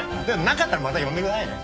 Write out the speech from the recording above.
何かあったらまた呼んでくださいね。